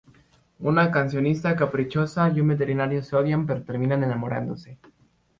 Una cancionista caprichosa y un veterinario se odian pero terminan enamorándose.